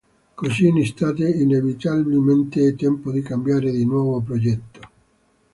Così in estate, inevitabilmente, è tempo di cambiare di nuovo progetto.